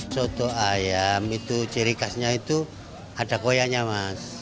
soto ayam itu ciri khasnya itu ada koyanya mas